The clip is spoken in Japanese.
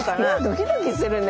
ドキドキするね。